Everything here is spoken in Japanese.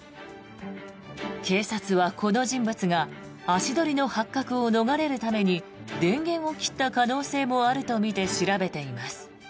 警察は、この人物が足取りの発覚を逃れるために電源を切った可能性もあるとみて調べています。